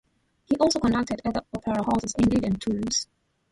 He also conducted at the opera houses in Lille and Toulouse.